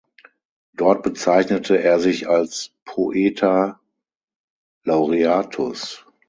Dort bezeichnete er sich als "poeta laureatus".